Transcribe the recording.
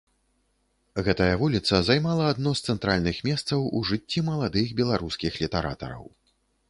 Гэтая вуліца займала адно з цэнтральных месцаў у жыцці маладых беларускіх літаратараў.